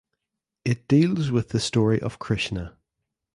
It deals with the story of Krishna.